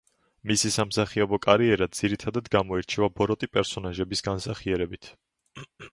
მისი სამსახიობო კარიერა გამოირჩევა ძირითადად ბოროტი პერსონაჟების განსახიერებით.